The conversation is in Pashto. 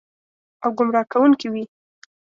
او ګمراه کوونکې وي.